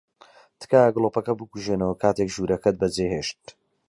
تکایە گڵۆپەکە بکوژێنەوە کاتێک ژوورەکەت بەجێھێشت.